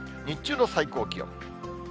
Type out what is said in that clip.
日中の最高気温。